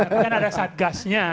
tapi kan ada saat gasnya